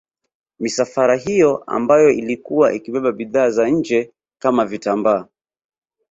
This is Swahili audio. Misafara hiyo ambayo ilikuwa ikibeba bidhaa za nje kama vitambaa